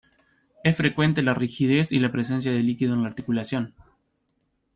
Es frecuente la rigidez y la presencia de líquido en la articulación.